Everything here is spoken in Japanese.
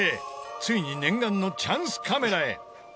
ついに念願のチャンスカメラへ。